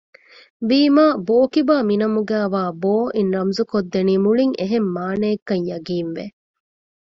ވީމާ ބޯކިބާ މިނަމުގައިވާ ބޯ އިން ރަމުޒުކޮށްދެނީ މުޅިން އެހެން މާނައެއްކަން ޔަޤީން ވެ